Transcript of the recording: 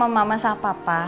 mau ke rumah mama sama papa